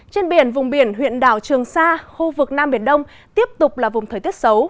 trên biển vùng biển huyện đảo trường sa khu vực nam biển đông tiếp tục là vùng thời tiết xấu